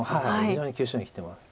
非常に急所にきてます。